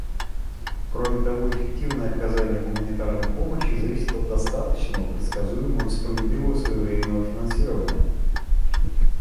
Кроме того, эффективное оказание гуманитарной помощи зависит от достаточного, предсказуемого, справедливого и своевременного финансирования.